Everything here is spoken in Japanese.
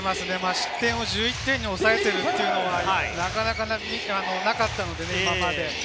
失点を１１点に抑えているのは、なかなかなかったので今まで。